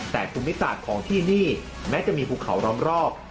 แต่ภูมิศาสตร์ของที่นี่แม้จะมีภูเขาล้อมรอบ